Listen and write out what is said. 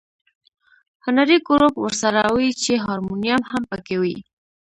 هنري ګروپ ورسره وي چې هارمونیم هم په کې وي.